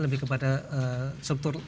lebih kepada struktur